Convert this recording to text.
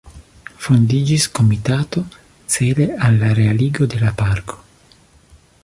Fondiĝis komitato cele al la realigo de la parko.